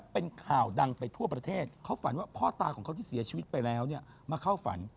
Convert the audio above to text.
เป็นข่าวดังไปทั่วประเทศเขาฝันว่าพ่อตาของเขาที่เสียชีวิตไปแล้วเนี่ยมาเข้าฝัน